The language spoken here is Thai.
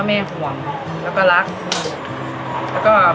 มีขอเสนออยากให้แม่หน่อยอ่อนสิทธิ์การเลี้ยงดู